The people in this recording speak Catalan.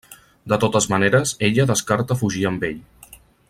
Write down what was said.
De totes maneres ella descarta fugir amb ell.